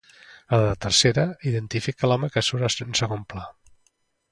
A la tercera, identifica l'home que surt en segon pla.